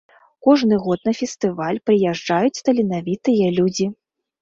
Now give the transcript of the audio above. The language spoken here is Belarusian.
Кожны год на фестываль прыязджаюць таленавітыя людзі.